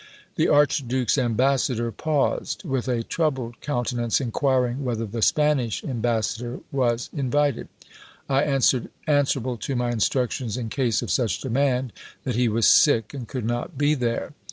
The archduke's ambassador paused: with a troubled countenance inquiring whether the Spanish ambassador was invited. "I answered, answerable to my instructions in case of such demand, that he was sick, and could not be there.